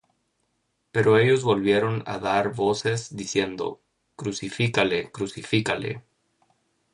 Pero ellos volvieron á dar voces, diciendo: Crucifícale, crucifícale.